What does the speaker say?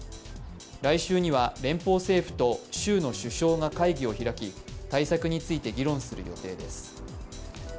来週には連邦政府と週の首相が会議を開き、対策について議論する予定です。